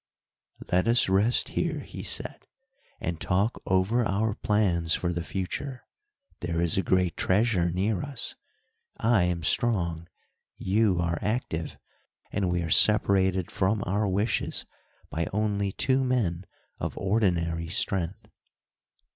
"Let us rest here," he said, "and talk over our plans for the future. There is a great treasure near us, I am strong, you are active, and we are separated from our wishes by only two men of ordinary strength."